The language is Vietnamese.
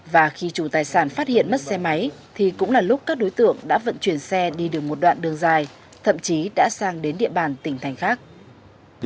và khi chủ tài sản phát hiện mất xe máy thì cũng là lúc các đối tượng đã vận chuyển xe đi đường một đoạn đường dài thậm chí đã sang đến địa bàn tỉnh thành khác